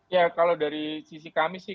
ya kalau dari sisi kami sih